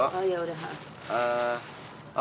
oh ya udah